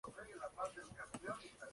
Pertenece al municipio de Progreso.